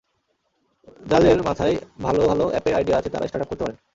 যাঁদের মাথায় ভালো ভালো অ্যাপের আইডিয়া আছে, তাঁরা স্টার্টআপ করতে পারেন।